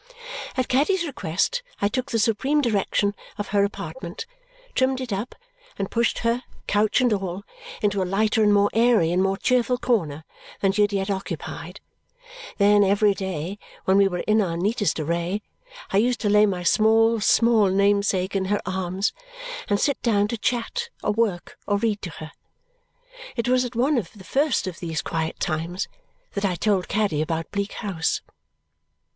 At Caddy's request I took the supreme direction of her apartment, trimmed it up, and pushed her, couch and all, into a lighter and more airy and more cheerful corner than she had yet occupied; then, every day, when we were in our neatest array, I used to lay my small small namesake in her arms and sit down to chat or work or read to her. It was at one of the first of these quiet times that I told Caddy about Bleak House.